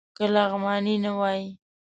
که لغمانی نه وای.